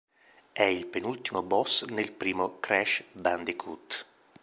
È il penultimo boss nel primo "Crash Bandicoot".